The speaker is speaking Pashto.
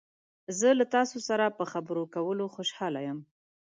زه له تاسو سره د دې خبرې کولو خوشحاله یم.